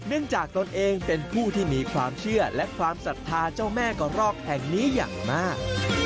จากตนเองเป็นผู้ที่มีความเชื่อและความศรัทธาเจ้าแม่กระรอกแห่งนี้อย่างมาก